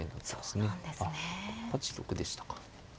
あっ５八玉でしたか。